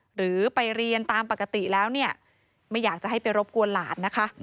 หรือไปเรียนตามปกติแล้วเนี่ยไม่อยากจะให้ไปรบกวนหลานนะคะ